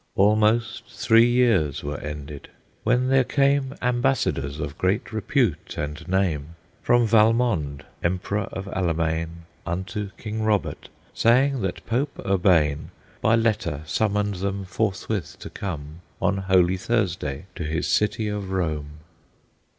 Almost three years were ended; when there came Ambassadors of great repute and name From Valmond, Emperor of Allemaine, Unto King Robert, saying that Pope Urbane By letter summoned them forthwith to come On Holy Thursday to his city of Rome.